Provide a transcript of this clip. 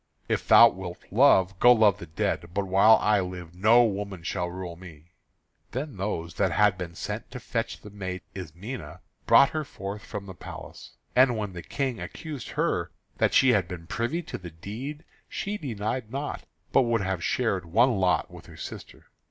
"If thou wilt love, go love the dead. But while I live no woman shall rule me." Then those that had been sent to fetch the maiden Ismené brought her forth from the palace. And when the King accused her that she had been privy to the deed she denied not, but would have shared one lot with her sister.